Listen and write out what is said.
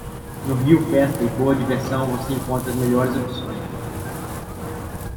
No RioFesta e Boa Diversão você encontra as melhores opções.